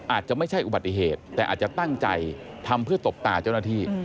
อาจจะไม่ใช่อุบัติเหตุแต่อาจจะตั้งใจทำเพื่อตบตาเจ้าหน้าที่